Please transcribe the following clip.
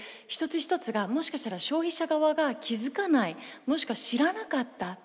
一つ一つがもしかしたら消費者側が気付かないもしくは知らなかった。